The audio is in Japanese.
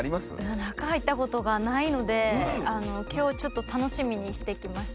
中入った事がないので今日楽しみにしてきました。